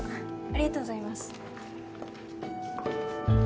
ありがとうございます。